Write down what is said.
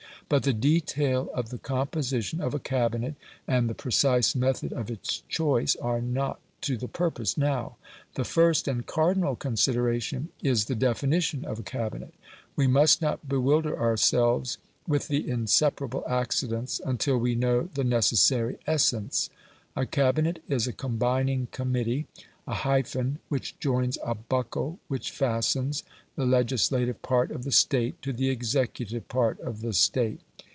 But the detail of the composition of a Cabinet, and the precise method of its choice, are not to the purpose now. The first and cardinal consideration is the definition of a Cabinet. We must not bewilder ourselves with the inseparable accidents until we know the necessary essence. A Cabinet is a combining committee a hyphen which joins, a buckle which fastens, the legislative part of the State to the executive part of the State.